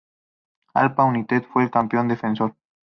Alpha United fue el campeón defensor.